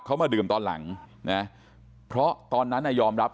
เขามาดื่มตอนหลังนะเพราะตอนนั้นน่ะยอมรับ